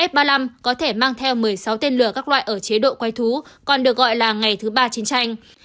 f ba mươi năm có thể mang theo một mươi sáu tên lửa các loại ở chế độ quay thú còn được gọi là ngày thứ ba chiến tranh